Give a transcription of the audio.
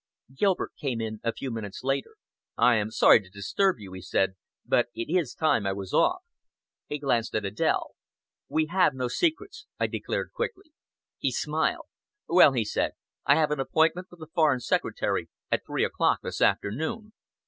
..." Gilbert came in a few minutes later. "I am sorry to disturb you," he said, "but it is time I was off." He glanced at Adèle. "We have no secrets," I declared quickly. He smiled. "Well," he said, "I have an appointment with the Foreign Secretary at three o'clock this afternoon.